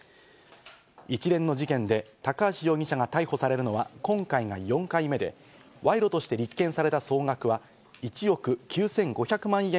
一連の事件で高橋容疑者が逮捕されるのは今回が４回目で、賄賂として立件された総額は１億９５００万円